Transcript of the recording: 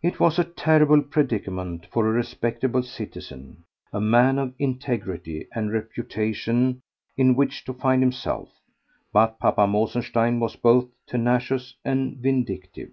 It was a terrible predicament for a respectable citizen, a man of integrity and reputation, in which to find himself; but Papa Mosenstein was both tenacious and vindictive.